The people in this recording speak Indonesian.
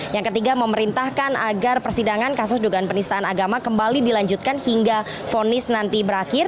yang ketiga memerintahkan agar persidangan kasus dugaan penistaan agama kembali dilanjutkan hingga fonis nanti berakhir